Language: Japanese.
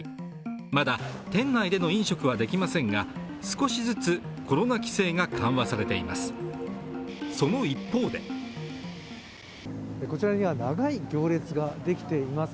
まだ店内での飲食はできませんが少しずつコロナ規制が緩和されています。